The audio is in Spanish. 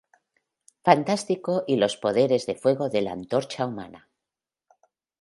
Fantástico y los poderes de fuego de la Antorcha Humana.